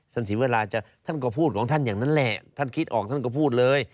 ศรีเวลาจะท่านก็พูดของท่านอย่างนั้นแหละท่านคิดออกท่านก็พูดเลย